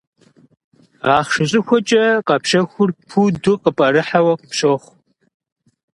Ахъшэ щӏыхуэкӏэ къэпщэхур пуду къыпӏэрыхьауэ къыпщохъу.